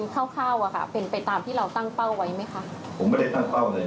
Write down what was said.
จากการที่เราประเมินคร่าวเป็นไปตามที่เราตั้งเป้าไหมคะ